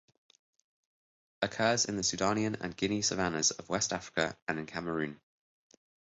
Occurs in the Sudanian and Guinea savannas of West Africa and in Cameroon.